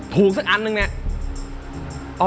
ถูกสักอันนึงเนี่ย